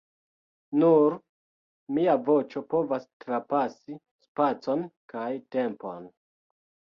Nur mia voĉo povas trapasi spacon kaj tempon